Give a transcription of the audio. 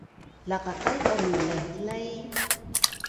laqaqaiban i laihlai